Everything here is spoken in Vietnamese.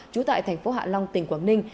chú tại thành phố hạ long tỉnh quảng ninh